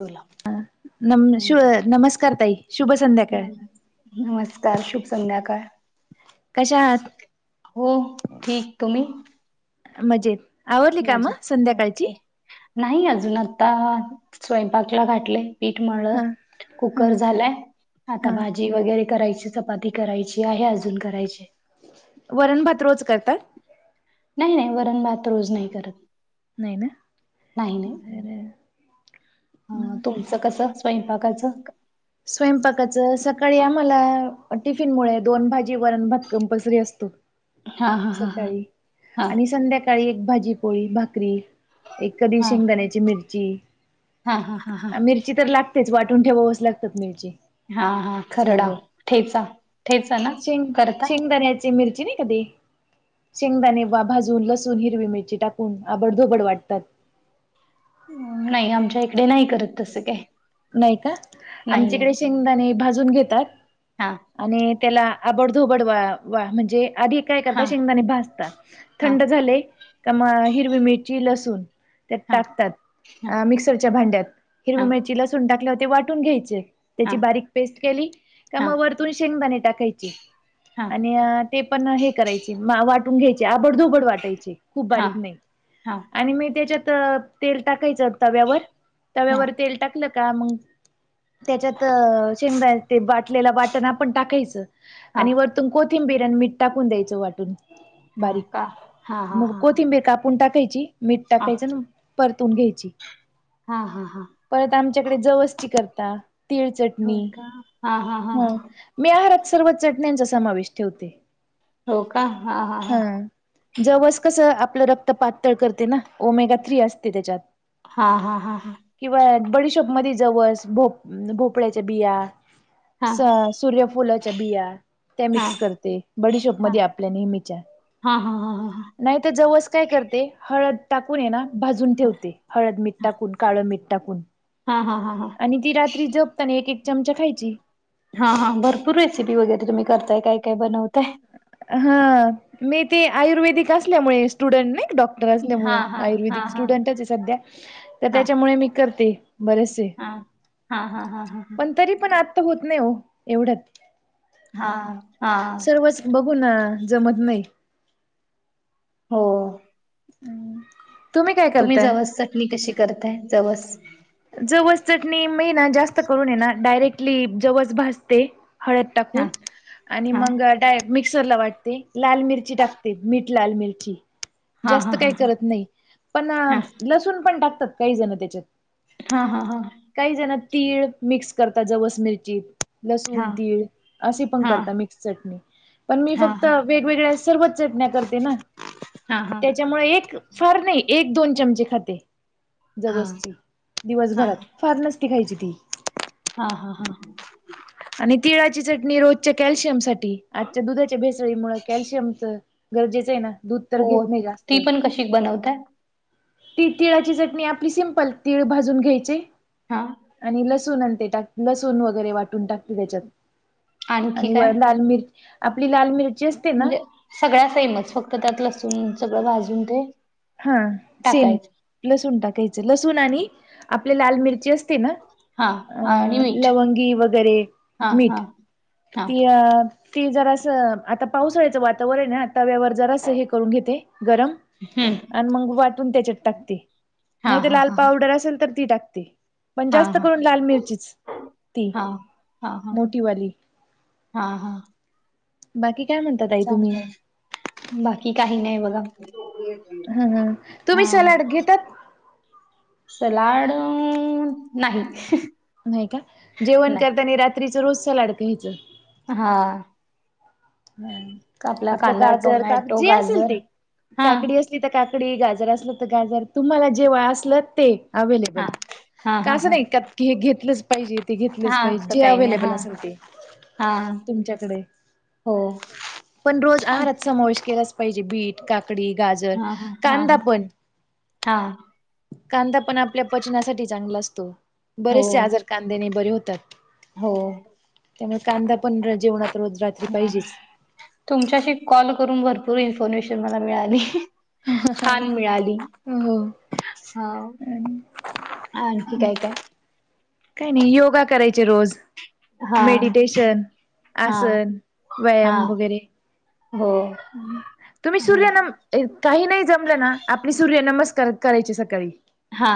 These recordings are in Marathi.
बोला ह नम हम्म शु बोला. नमस्कार ताई शुभ संध्याकाळ. नमस्कार शुभ संध्याकाळ. कशा आहात? हो ठीक तुम्ही? मजेत आवरली काम मजेत ओके संध्याकाळची नाही अजून आता स्वयंपाकला गाठलेय. पीठ मल्ल हा हा कुकर झालाय आता हा भा. भाजी करायची चपाती करायची आहे अजून करायची. वरण भात रोज करतात. नाही नाही वरण भात रोज नाही करत. नाही ना नाही नाही बर अ तुम तुमच कसं स्वयंपाकाचं. स्वयंपाकाच सकाळी आम्हाला टिफीनमूळे दोन भाजी वरण भात कंपल्सरी असतो. हा हा हा हा सकाळी हा हा. आणि संध्याका काळी एक भाजी पोळी भाकरी एक कधी हा शेंगदाण्याची मिरची हा हा हा मिरची तर लागतेच वाटून ठेवावच लागतात मिरची हा हा खरडा सर्व ठेचा ठेचा ना करता. ची मिरची नाही का ती शेंगदाणेवा भाजून लसूण हिरवी मिरची टाकून आबडधोबड वाटतात. नाही आमच्या इकडे नाही करत तसं काय? नाही का नाही नाही आमच्याकडे शेंगदाणे भाजून घेतात. हां आणि त्याला आबडधोबड वा वा म्हणजे आधी काय करता हां शेंगदाणे भासता हां थंड झाले का म हिरवी मिरची लसूण त्यात हां हां टाकतात मिक्सरच्या भांड्यात हिर हां हां मिरची ल टाकल्याव ते वाटून घ्यायचे. हां त्याची बारीक पेस्ट केली का हां मग वरतून शेंगदाणे टाकायची हां हां हां आणि ते पण हे करायचे वाटून घ्यायचे आबडधोबड वाटायचे. खूप बारीक नाही हां आणि मी त्याच्यात तेल टाकायचं तव्यावर तव्यावर तेल टाकलं का मग त्याच्यात शेंगदाणा बाटलेला वाटण पण टाकायचं आणि वर कोथिंबीरी अन मीठ टाकून द्यायच वाटून हां बारीक का हां हां मग हां हां कोथिंबीर का? कापून टाकायची मीठ टाकायचं ना परतून घ्यायची. हा हा हा. परत आमच्याकडे जवस्ची करता तीळ चटणी होय का हां हां हां ह. हां मी आहारात सर्व चटण्यांचा समावेश ठेवते. हो का हा हा हा. जवच कसं आपलं रक्त पातळ करते ना ओमेगा थ्री असते त्याच्यात हा हा हा हा. किंवा बडीशोप मध जवस भो भोपळ्याच्या बिया हां हां स सूर्यफुलाच्या बीया त्या हां हां हां मिक्स करते बडिशोप मध्ये आपल्या नेहमीच्या. हां हां हां हां नाही तर जवस काय करते हळद. टाकून ये ना भाजून ठेवते हळद मीठ टाकून काळं मीठ टाकून हा हा हा हा. आणि ती रात्री झोपताना एक एक चमचा खायची. हा हा भरपूर रेसिपी वगैरे तुम्ही करताय. काय काय बनवताय. हं, मी ते आयुर्वेदिक असल्यामुळे स्टुडंट नाही का डॉक टर हां असल्यामुळे, हां हां आयुर्वेदिक हां स्टुडंटचे सध्या. तर हां त्याच्यामुळे मी करते बरेचशे. हां हां हां हां ते हां पण तरी पण आता होत नाही हो एवढ्यात. हां हां. सर्वच बघून जमत नाही. हो. काय तुम्ही करताय? जवस चटणी कशी करताय? जवस. जवस चटणी मी ना जास्त करून ये ना डायरेक्टली जवस भाजते हळद हा टाकून. आणि हा मग डायरेट मिक्सरला वाटते लाल मिरची टाकते मीठ लाल मिरची. हा हा जास्त हा काही करत नाही. पण हा लसूण पण टाकतात काही जण त्याच्यात. हां हां हां. काही जण तीळ मिक्स करतात, जवस मिरचीत. लसूण हा तीळ असे हा पण हा हा करतात मिक्स चटणी. पण मी फक्त हा वेगवेगळ्या सर्वच चटण्या करते ना. हा हा त्याच्यामुळे एक फार नाही एक दोन चमचे खाते, हा जवसची दिवसभरात. फार नसती खायची ती. हां हां हां हां. आणि तिळाची चटणी रोजच्या कॅल्शियम साठी. आजच्या दुधाच्या भेसळीमूळ कॅल्शियमत गरजेचं आहे ना. दूध तर हो घेत नाही जास्त. ती पण कशी बनवताय ती तिळाची चटणी आपली सिंपल. तीळ भाजून घ्यायची हा आणि ल सून अन ते टाक लसूण वगैरे वाटून टाकते त्याच्यात. आणखी आणि व काय लाल मिर आपली लाल मिरची अस म्हणजे सगळ्या सेमच फक्त त्यात लसूण सगळं भाजून ते हा सेम. टाकायचं लसूण टाकायचं, लसूण आणि आपल्या लाल मिरची अस तेना हा अं आणि मीठ लवंगी वगैरे हा हा मीठ. हा तीळ आं तीळ जरास आता पावसाळ्याचं वातावरने ना तव्यावर जरास हे करून घेते गरम. हं. अन मग वाटून त्याच्यात टाकते. हा नाही तर हा लाल हा पावडर असेल तर ती टाकते. पण हा जास्त हा करून लाल मिरचीच. ती हा मोठीवाली. हां हां. बाकी काय म्हणत चागलंय. बाकी काही नाही बघा. हं हं. तुम्ही हा सलाड घेतात? सलाड अं नाही. नही का? जेवण नाही करतानी रात्रीच रोज सलाड घ्यायच. हा. हा. आपला आपलं कांदा गाजर काक टोमॅटो जे असेल गाजर ते. हा काकडी अस ली तर काकडी गाजर असल तर गाजर तुम्हाला जे असलं ते. हा अवेलेबल. हा का हा अस हा नाही क की हे घेतलंच पाहिजे, ते घेतलेच हा पाहिजे, असं जे काही नाही अवेलेबल हा असेल ते हा तुमच्याकडे. हो. पण रोज छान आहारात समावेश केलाच पाहिजे बीट, काकडी, गाजर, हा हा हा कांदा हा पण. हा. कांदा पण आपल्या पचनासाठी चांगला असतो. हो बरेचसे आजार कांद्याने बरे होतात. हो. त्यामुळे कांदा पण र जेवणात रोज रात हं. तुमच्याशी कॉल करून भरपूर इन्फॉर्मेशन मला मिळाली. हा का हो हो आणखी काय काय काही नाही योगा करायचे रोज हा मेडिटेशन हा आसन हा व्यायाम वगैरे हो तुम्ही हा सूर्यनमस्कार काही नाही जमलं ना आपली सूर्य नमस्कार करायची सकाळी. हा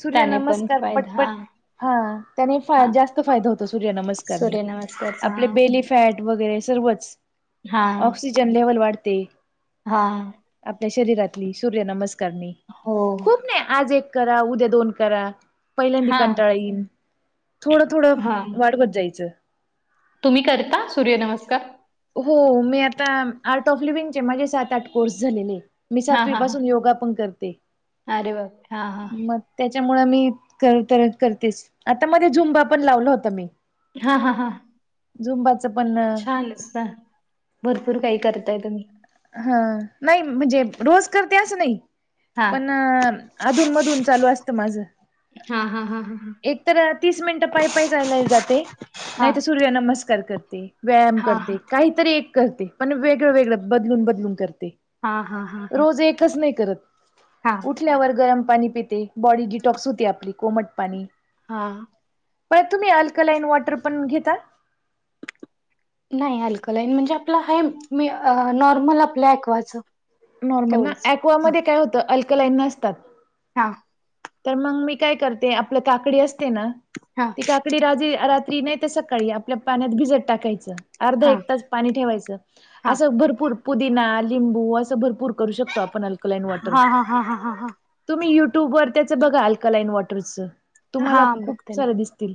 सूर्य त्याने पण नमस्कार फायदा हा ह हा जास्त फाय हो सुर्या नमस्कार सूर्यनमस्कारचा आप हा नीट फॅट सर्व ऑक्सिजन लेवल वाढते. हा आपल्या शरीरातली सूर्य नमस्कारणी हो नाही आज एक करा उद्या दोन करा पहिल्यांदी हां, कंटाळा येईन थोडं थोडं हां. वाढवत जायचं. तुम्ही करता सूर्य नमस्कार? हो मी आता आर्ट ऑफ लिवंगचे माझे सात आठ कोर्स झालेले. मी हां, सातवी हां, हां. पासून योगा पण करते अरे बापरे! हां, हां. मग त्याच्यामुळे मी कर तर करतेस आता मध्ये झुंबा पण लावला होता मी हा हा हा झुंबाचं पण ना भरपूर काही करताय तुम्ही हा नाही म्हणजे रोज करतेस नाही हां. पण अधून मधून चालू असतं माझं हा हा हा हा हा एक तर तीस मिनिटं पाय पायी ला जाते हां, नाहीत सूर्य नमस्कार करते व्यायाम हां, करते हां. काहीतरी एक करते पण वेगळं वेगळं बदलून बदलून करते. हा हा हा हा रोज एकच नाही करत. हा उठल्यावर गरम पाणी पिते बॉडी डिटॉक्स होती आपली कोमट पाणी हा प तुम्ही अल्कलाईन वॉटर पण घेता? नाही अल्कलाईन म्हणजे आपलं हे म नॉर्मल आपल्या एकवा नॉर्मल ना ऍक्वामध्ये काय होतं अल्कलाईन नसतात. हा तर मग मी काय करते आपलं काकडी असते ना हां, ती काकडी राजी रात्री नाही. सकाळी आपल्या पाण्यात भिजत टाकायचं अर्धा हां, एक तास पाणी ठेवायच हां. असं भरपूर पुदिना लिंबू असं भरपूर करू शकतो आपण अकलान वॉटर हां, हां, हां, हां, हां, हां. तुम्ही युट्यूब वर त्याचं बघा अल्कलाइन वॉटरच तुम्हाला हां, खूप बघते ना. सारं दिसतील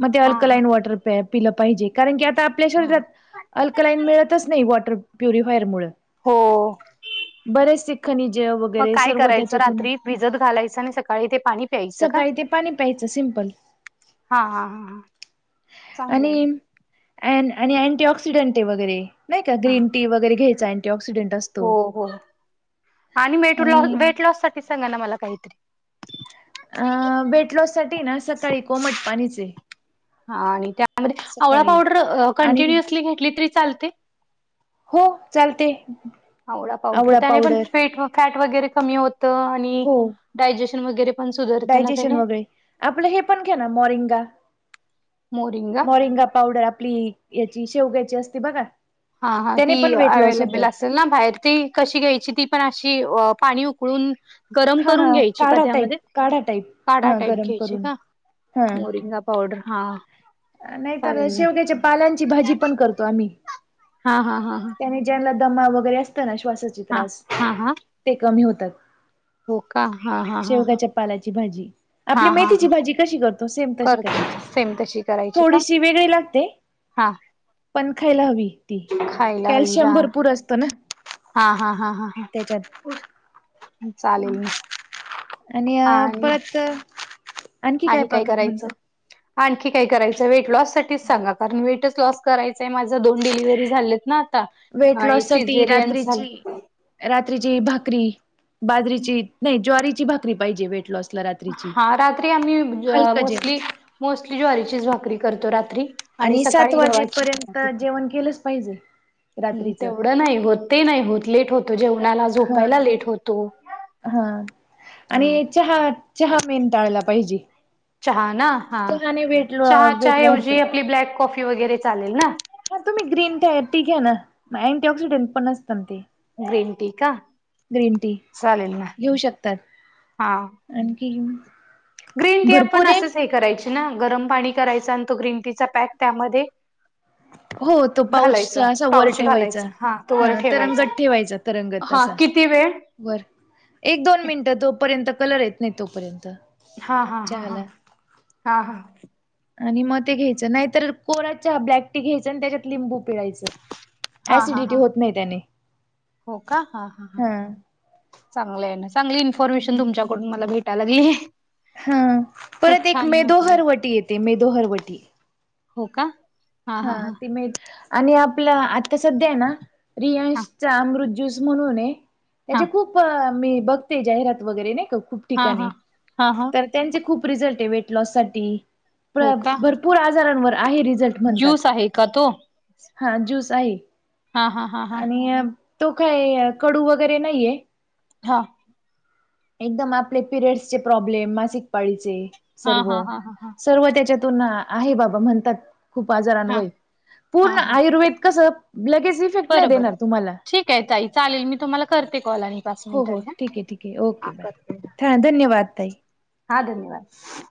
मग ते हां, हां, अल्कलाईन वॉटर पिलं पाहिजे कारण की आता आपल्या हां, हां. शरीरात अल्कलाईन मिळतच नाही वॉटर प्युरिफायर मुळे हो बरेच खनीजे मग वगैरे काय सर्व करायचं त्याच्यातून रात्री भिजत घालायचं आणि सकाळी ते पाणी प्यायचं का सकाळी ते पाणी प्यायचं सिम्पल हा हा हा हा आणि चांगलंय अ आणि अँटी ऑक्सिडंट आहे वगैरे नाही का हा ग्री टी वगैरे घ्यायचा अँट ऑक्सडेंटं हो हो आणि मे आणि वेट लॉससाठी ते सांगा ना मला काहीतरी अ वेटलॉस साठी ना सकाळी कोमट पाणीच आहे. हा आणि त्यामध्ये आवळा सकाळी पावडर आणि कंटिन्युअसली घेतली तरी चालते? हो चालते. आवळा पावडर त्याने पण फेट फॅट वगैरे कमी होतं. आणि हो डायजेशन वगैरे, पण सुधारत ना डायजेशन त्याने वगैरे आपलं हे पण घ्याना मॉरिंगा. मोरिंगा पावडर आपली याची शेवग्याची असती बघा. हा हा ती त्याने पण वेट लॉस होत. अवेलेबल अस सेल ना बाहेर ती कशी घ्यायची ती पण अशी अ पाणी उकळून गरम हा हा करून घ्यायची का काढा टाईप त्यामध्ये. काढा टाईप काढा हा टाईप गरम घ्यायची करून का हा मोरिंगा पाउडर हा. नाहीतर चालेल ना शेवघ्याच्या पालांची भाजी पण करतो आम्ही. हा हा हा हा ज्यांने ज्यांना दमा वगैरे असत ना श्वासाचे हा हा त्रास हा हा ते कमी होतात. हो का हा हा हा हा. शेवग्याच्या पालाची भाजी आपली हा हा मेथीची हा भाजी कशी करतो. सेम तशी करते करायची. सेम तशी करायची का थोडीशी वेगळी लागते हा पण खायला हवी ती. खायला हवी कॅल्शियम हा भरपूर असतं ना. हा हा हा हा हा. त्याच्यात चालेल ना. आणि आणखी आणि काय बघा करायचं. म्हणता आणखी काय करायचं. वेट लॉस साठीच सांगा कारण वेटच लॉस करायचंय. माझं दोन डिलिव्हरी झालेत ना. आता वेट आणि लॉस साठी सिझरियन रात्रीची झालेत. रात्रीची भाकरी, बाजरीची नाही. ज्वारीची भाकरी पाहिजे. वेटलॉस हा रात्री आम्ही जेवण मोस्टली मोस्टली ज्वारीचीच भाकरी करतो रात्री आणि सात सकाळी गव्हाची वाजेपर्यंत चपाती तर जेवण केलंच पाहिजे हम् रात्रीचं तेवढं नाही होत नाही होत लेट होत. जेवणाला हा झोपायला लेट होतो हा ह. आणि चहा चहा मेन टाळला पाहिजे. चहा ना हा चहाने वेट चहाच्या वेट वाढतं ऐवजी आपली ब्लॅक कॉफी वगैरे चालेल ना. हा तुम्ही ग्रीन का टी घ्या ना अँटी ऑक्सिडेंट पण असत ना ते. ग्रीन टी का ग्रीन टी चालेल ना घेऊ शकतात. हा. आणखी? ग्रीन टी आपण भरपूर आहे असंच हे करायची ना. गरम पाणी करायच आणि तो ग्रीन टीचा पॅक त्यामध्ये, हो तो पाऊच घालायचा असा वर पाउच ठेवायचा घालायचं हा तो वर ठेवायचा. हा किती वेळ? बर एक दोन मिनिटं जोपर्यंत कलर येत नाही तोपर्यंत. हा हा हा हा चहाला हा हान आणि मग ते घ्यायच नाहीतर. कोरा चहा ब्लॅक टी घ्यायच आणि त्याच्यात लिंबू पिळायच. हा हा ऍसिडिटी हा होत नाही त्याने हा चांगली आहे ना चांगली इन्फॉर्मेशन तुमच्याकडून मला भेटाय लागली. हा खूप परत एक छान वाटलं. मेदोहरवटी येते मेदोहरवटी. हो का. हा ती मिळेल. आणि आपलं आता सध्या आहे ना. हा रियांशचा अमृत स म्हणून आहे. हा त्याचे खूप मी बघते जाहीरात वगैरे नाही का खूप हा हा ठिकाणी हा हा तर त्यांचे खूप रिझल्ट आहे वेट लॉस साठी हो का? भरपूर, पूर आजारांवर आहे रिझल्ट. म्हणतात ज्यूस आहे का तो? हा ज्यूस आहे हा हा हा हा आणि तो काय कडू वगैरे नाहीये. हां. एकदम आपले पिरियड्सचे प्रॉब्लेम मासिक पाळीचे. हा हा सर्व हा हा हा सर्व त्याच्यातून आहे बाबा म्हणतात. हा बाजारावर, पूर्ण हा हा आयुर्वेद कस लगेच इफेक्ट नाही देणार तुम्हाला. त्या ताईचा आलेला मी तुम्हाला करते कॉल आणि पाच हो हो, मिनिटांनी हा. ठीक आहे, ठीक आहे, ओके हा करते. बाय धन्यवाद ताई. हा धन्यवाद.